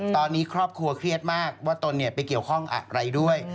ตอนนี้ครอบครัวเครียดมากว่าตนไปเกี่ยวข้องอะไรด้วย